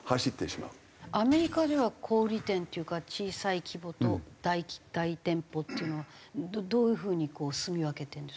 アメリカでは小売店っていうか小さい規模と大店舗っていうのはどういう風にすみ分けてるんですか？